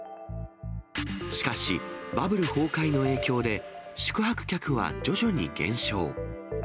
しかし、バブル崩壊の影響で、宿泊客は徐々に減少。